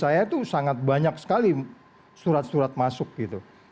saya itu sangat banyak sekali surat surat masuk gitu